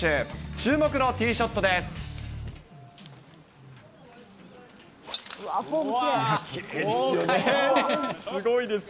注目のティーショットです。